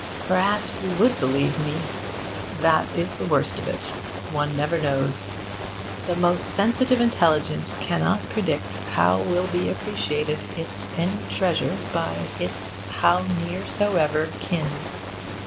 Perhaps you would believe me. That is the worst of it: one never knows. The most sensitive intelligence cannot predict how will be appraised its any treasure by its how near soever kin.